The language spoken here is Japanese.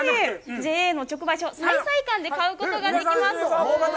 ＪＡ直売所で買うことができます。